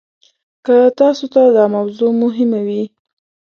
که تاسو ته دا موضوع مهمه وي.